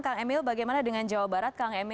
kang emil bagaimana dengan jawa barat